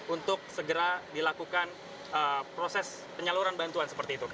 untuk segera dilakukan proses penyaluran bantuan seperti itu